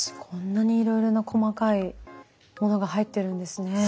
こんなにいろいろな細かいものが入ってるんですね。